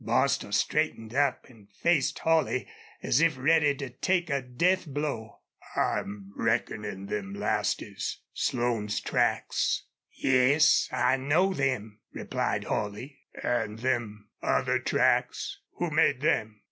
Bostil straightened up and faced Holley as if ready to take a death blow. "I'm reckonin' them last is Slone's tracks." "Yes, I know them," replied Holley. "An' them other tracks? Who made them?"